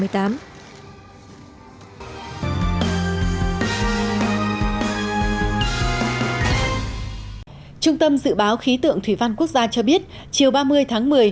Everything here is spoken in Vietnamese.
trung tâm dự báo khí tượng thủy văn quốc gia cho biết chiều ba mươi tháng một mươi